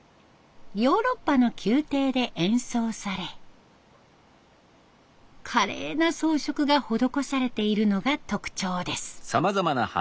ヨーロッパの宮廷で演奏され華麗な装飾が施されているのが特徴です。